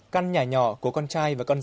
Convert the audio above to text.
căn nhà nhỏ của con trai và con dân